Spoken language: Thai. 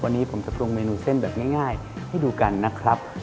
วันนี้ผมจะปรุงเมนูเส้นแบบง่ายให้ดูกันนะครับ